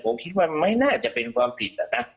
ผมคิดว่ามันไม่น่าจะเป็นความผิดอ่ะนะ